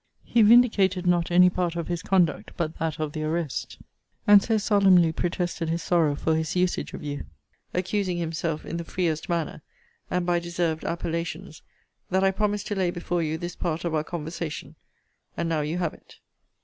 He vindicated not any part of his conduct, but that of the arrest; and so solemnly protested his sorrow for his usage of you, accusing himself in the freest manner, and by deserved appellations, that I promised to lay before you this part of our conversation. And now you have it.